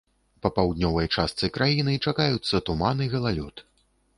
Па паўднёвай частцы краіны чакаюцца туман і галалёд.